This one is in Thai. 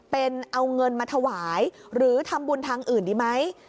เป็นเอาเงินมาถวายหรือทำบุญทางอื่นดีไหม